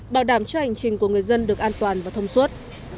bảo đảm cho hành trình của người dân được an toàn và thông suốt